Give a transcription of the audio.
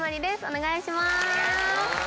お願いします。